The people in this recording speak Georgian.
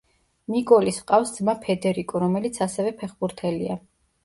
მიკოლის ჰყავს ძმა ფედერიკო, რომელიც ასევე ფეხბურთელია.